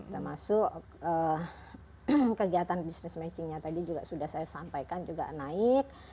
termasuk kegiatan business matchingnya tadi juga sudah saya sampaikan juga naik